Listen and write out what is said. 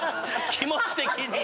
気持ち的に。